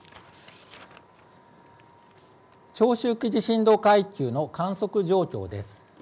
長周期地震動階級の観測状況です。